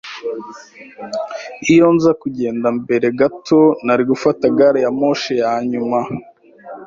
Iyo nza kugenda mbere gato, nari gufata gari ya moshi ya nyuma.